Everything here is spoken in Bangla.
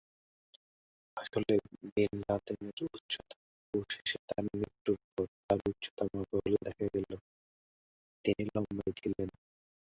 আসলে বিন লাদেনের উচ্চতা অবশেষে তার মৃত্যুর পর তার উচ্চতা মাপা হলে দেখা গেল, তিনি লম্বা ছিলেন।